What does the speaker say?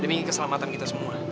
ini keselamatan kita semua